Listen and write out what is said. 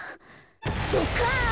ドカン。